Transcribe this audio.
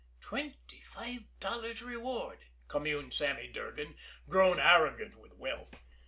"Twenty five dollars reward!" communed Sammy Durgan, grown arrogant with wealth.